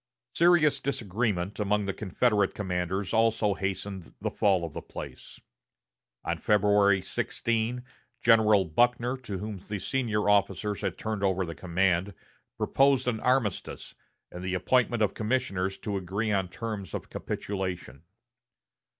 Serious disagreement among the Confederate commanders also hastened the fall of the place. On February 16, General Buckner, to whom the senior officers had turned over the command, proposed an armistice, and the appointment of commissioners to agree on terms of capitulation.